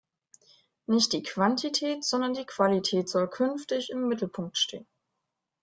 Nicht die Quantität, sondern die Qualität soll künftig im Mittelpunkt stehen.